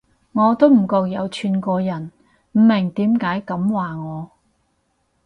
我都唔覺有串過人，唔明點解噉話我